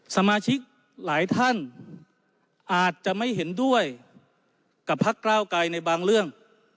สมาชิกหลายท่านอาจจะไม่เห็นด้วยกับพักก้าวไกรในบางเรื่อง